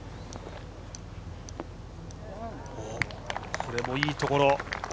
これもいいところ。